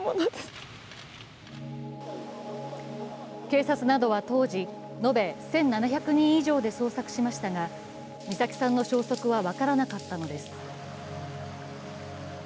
警察などは当時、延べ１７００人以上で捜索しましたが、美咲さんの消息は分からなかったのです。